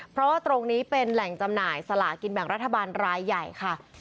เพราะว่าตรงนี้เป็นแหล่งจำหน่ายสลากินแบ่งรัฐบาลรายใหญ่ค่ะ